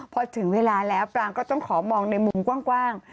พอถึงเวลาแล้วปรางก็ต้องขอมองในมุมกว้าง